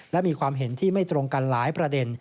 และมีความเห็นที่ไม่ตรงกันหลายประเด็น